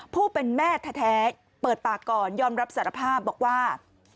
ผู้เป็นแม่แท้เปิดปากก่อนยอมรับสารภาพบอกว่า